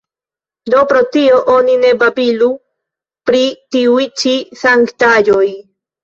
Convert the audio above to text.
Do pro tio oni ne babilu pri tiuj ĉi sanktaĵoj.